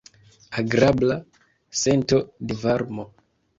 Agrabla sento de varmo.